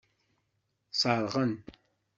Seṛɣen.